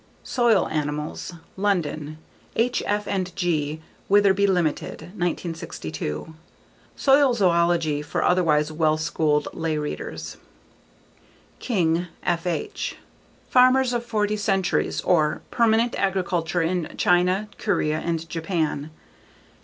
_Soil Animals. _London: H. F. & G. Witherby Ltd., 1962. Soil zoology for otherwise well schooled layreaders. King, F.H. _Farmers of Forty Centuries or Permanent Agriculture in China, Korea and Japan.